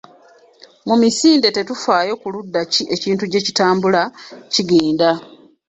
Mu misinde tetufaayo ku ludda ki ekintu gye kitambula kigenda